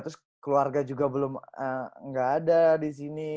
terus keluarga juga belum nggak ada di sini